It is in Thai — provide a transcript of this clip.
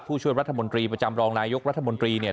ผู้ช่วยรัฐมนตรีประจำรองนายกรัฐมนตรีเนี่ย